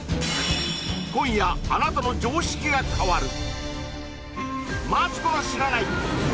今夜あなたの常識が変わる！